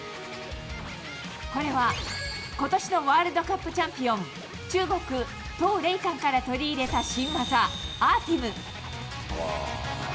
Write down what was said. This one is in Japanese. これは、ことしのワールドカップチャンピオン、中国、とうれいかんから取り入れた新技、アーティム。